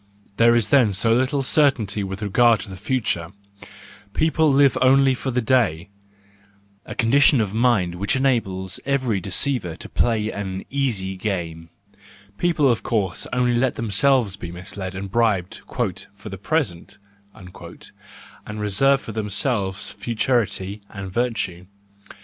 There is then so little certainty with regard to the future ; people live only for the day : a condition of mind which enables every deceiver to play an easy game,—people of course only let themselves be misled and bribed " for the present," and reserve for themselves futurity and virtue.